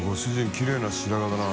きれいな白髪だな。